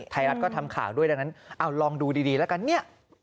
ไทยรัฐก็ทำข่าวด้วยดังนั้นเอาลองดูดีแล้วกันเนี่ย